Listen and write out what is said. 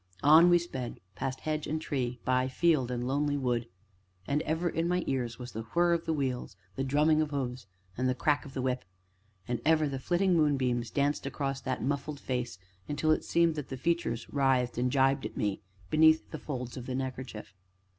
On we sped, past hedge and tree, by field and lonely wood. And ever in my ears was the whir of the wheels, the drumming of hoofs, and the crack of the whip; and ever the flitting moonbeams danced across that muffled face until it seemed that the features writhed and gibed at me, beneath the folds of the neckerchief.